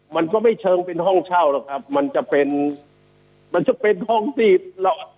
มันก็ไม่เชิงเป็นห้องเช่าหรอกครับมันจะเป็นมันจะเป็นห้องที่เรา